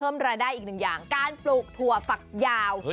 รายได้อีกหนึ่งอย่างการปลูกถั่วฝักยาว